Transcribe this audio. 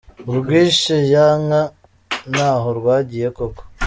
Urwishe ya nka ntaho rwagiye koko.